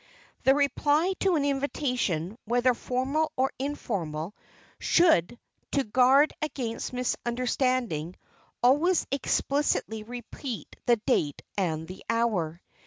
The reply to an invitation, whether formal or informal, should, to guard against misunderstanding, always explicitly repeat the date and the hour.